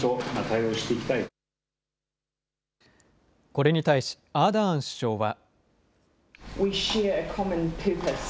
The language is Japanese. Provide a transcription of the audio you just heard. これに対しアーダーン首相は。